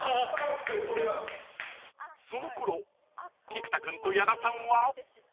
［そのころ菊田君と矢田さんは］